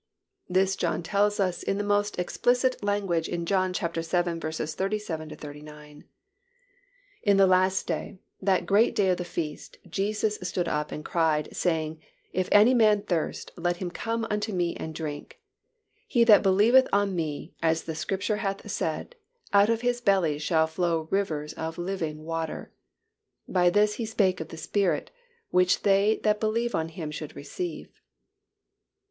This John tells us in the most explicit language in John vii. 37 39, "In the last day, that great day of the feast, Jesus stood and cried, saying, If any man thirst, let him come unto Me and drink. He that believeth on Me, as the Scripture hath said, out of his belly shall flow rivers of living water. (But this spake He of the Spirit, which they that believe on Him should receive.)"